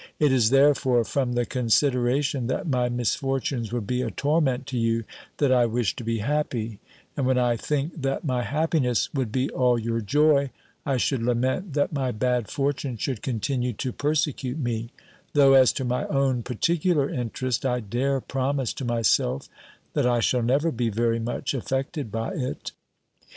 It is therefore from the consideration that my misfortunes would be a torment to you, that I wish to be happy; and when I think that my happiness would be all your joy, I should lament that my bad fortune should continue to persecute me; though, as to my own particular interest, I dare promise to myself that I shall never be very much affected by it."